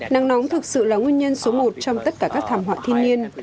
nắng nóng thực sự là nguyên nhân số một trong tất cả các thảm họa thiên nhiên